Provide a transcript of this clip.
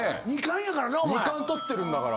２冠取ってるんだから。